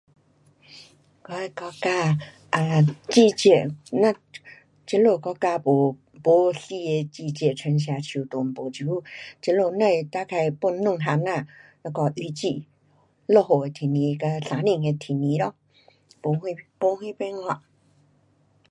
我的国家 um 季节我这里国家没，没四个季节：春夏秋冬。没，现在这里只是大概分两种呐。那个雨季。下雨的天气和天晴的天气咯。没什没啥变化。